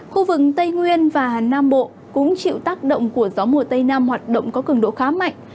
khu vực tây nguyên và nam bộ cũng chịu tác động của gió mùa tây nam hoạt động có cường độ khá mạnh